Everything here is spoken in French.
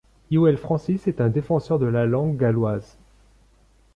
Hywel Francis est un défenseur de la langue galloise.